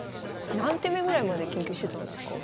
何手目ぐらいまで研究してたんですか？